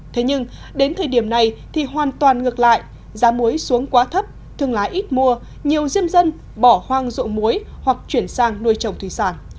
thế nhưng đến thời điểm này thì hoàn toàn ngược lại giá muối xuống quá thấp thương lái ít mua nhiều diêm dân bỏ hoang rộng muối hoặc chuyển sang nuôi trồng thủy sản